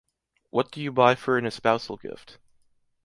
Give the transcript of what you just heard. What do you buy for an espousal gift?